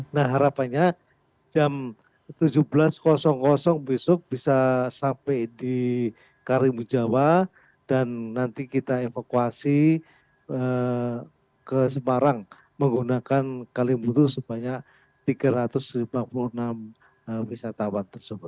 nah harapannya jam tujuh belas besok bisa sampai di karimujawa dan nanti kita evakuasi ke semarang menggunakan kalimbutu sebanyak tiga ratus lima puluh enam wisatawan tersebut